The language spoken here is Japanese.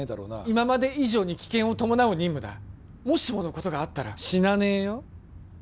今まで以上に危険を伴う任務だもしものことがあったら死なねえよ